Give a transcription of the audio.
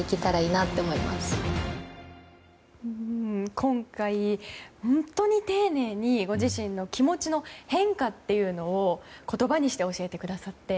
今回、本当に丁寧にご自身の気持ちの変化というのを言葉にして教えてくださって。